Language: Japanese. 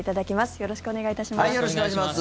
よろしくお願いします。